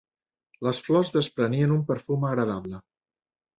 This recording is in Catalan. Les flors desprenien un perfum agradable.